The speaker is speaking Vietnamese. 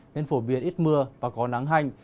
nên phổ biến ít mưa và có nắng hành